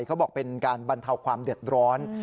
เขาบอกเป็นการบรรเทาความเดือดร้อน